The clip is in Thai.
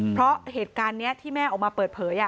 เพราะเหตุการณ์นี้ที่แม่ออกมาเปิดเผย